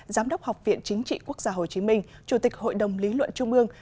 giám đốc học viện chính trị quốc gia hồ chí minh chủ tịch hội đồng lý luận trung ương